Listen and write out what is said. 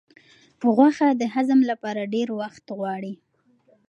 غوښه د هضم لپاره ډېر وخت غواړي.